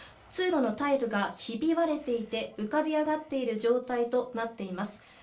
通路のタイルがひび割れていて浮かび上がっている状態となっています。